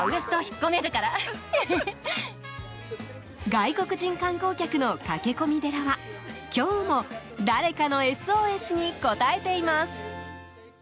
外国人観光客の駆け込み寺は今日も、誰かのＳＯＳに応えています。